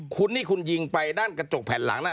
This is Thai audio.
คุณนี่คุณยิงไปด้านกระจกแผ่นหลังน่ะ